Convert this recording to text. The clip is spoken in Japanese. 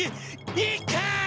いいかん！